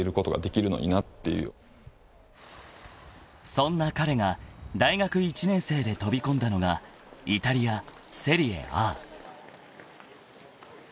［そんな彼が大学１年生で飛び込んだのがイタリアセリエＡ］